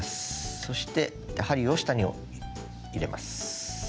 そして針を下に入れます。